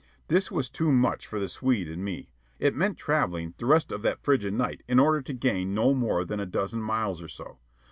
This was too much for the Swede and me. It meant travelling the rest of that frigid night in order to gain no more than a dozen miles or so.